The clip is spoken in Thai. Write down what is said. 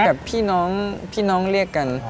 กับพี่น้องพี่น้องเรียกกัน